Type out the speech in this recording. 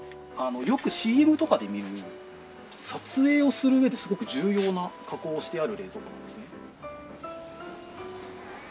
よくＣＭとかで見る撮影をする上ですごく重要な加工をしてある冷蔵庫なんですね。